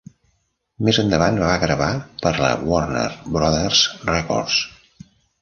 Més endavant va gravar per la Warner Brothers Records.